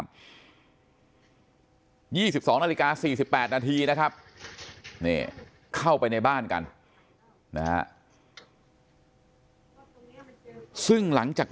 ๒๒นาฬิกา๔๘นาทีนะครับนี่เข้าไปในบ้านกันนะฮะซึ่งหลังจาก